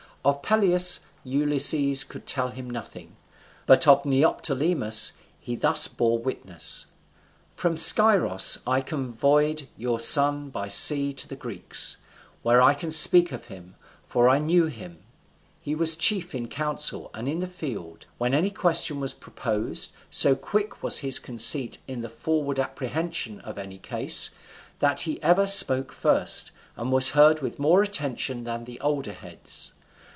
Of Peleus Ulysses could tell him nothing; but of Neoptolemus he thus bore witness: "From Scyros I convoyed your son by sea to the Greeks: where I can speak of him, for I knew him. He was chief in council, and in the field. When any question was proposed, so quick was his conceit in the forward apprehension of any case, that he ever spoke first, and was heard with more attention than the older heads.